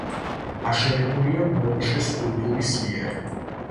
აშენებულია მოჩეს კულტურის მიერ.